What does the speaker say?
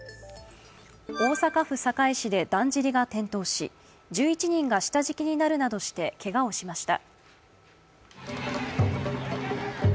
大阪府堺市でだんじりが転倒し１１人が下敷きになるなどしてけがをしました。